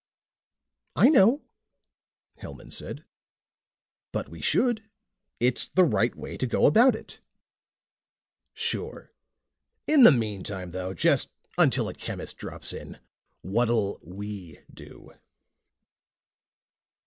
"I know," Hellman said, "but we should. It's the right way to go about it." "Sure. In the meantime, though, just until a chemist drops in, what'll we do?"